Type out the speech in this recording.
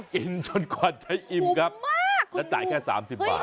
กินจนกว่าจะอิ่มครับแล้วจ่ายแค่๓๐บาท